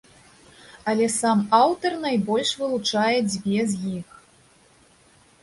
Але сам аўтар найбольш вылучае дзве з іх.